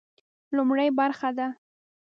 لومړۍ برخه ده.